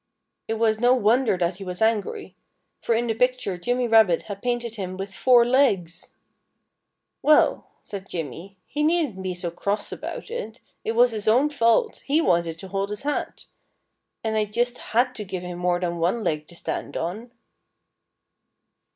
It was no wonder that he was angry. For in the picture Jimmy Rabbit had painted him with four legs! "Well," said Jimmy, "he needn't be so cross about it. It was his own fault. He wanted to hold his hat. And I just had to give him more than one leg to stand on."